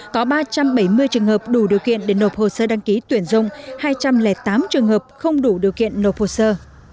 có ba trăm bảy mươi trường hợp đủ điều kiện để nộp hồ sơ đăng ký tuyển dụng hai trăm linh tám trường hợp không đủ điều kiện nộp hồ sơ